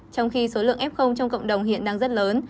trong khi số lượng f trong cộng đồng hiện đang rất lớn